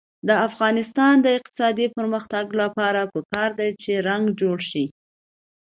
د افغانستان د اقتصادي پرمختګ لپاره پکار ده چې رنګ جوړ شي.